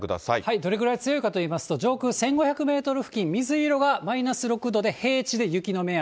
どれぐらい強いかといいますと、上空１５００メートル付近、水色がマイナス６度で平地で雪の目安。